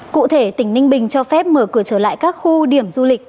cụ thể tỉnh ninh bình cho phép mở cửa trở lại các khu điểm du lịch